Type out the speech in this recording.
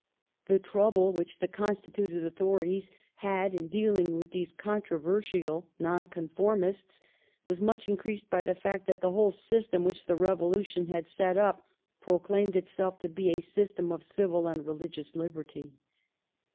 The trouble which the constituted authorities had in dealing with these controversial Nonconformists was much increased by the fact that the whole system which the Eevolution had set up proclaimed itself to be a system of civil and religious liberty.